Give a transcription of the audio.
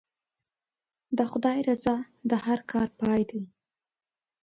د خدای رضا د هر کار پای دی.